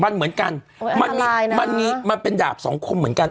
มันเหมือนกันมันเป็นหยาบสองคุมเหมือนกัน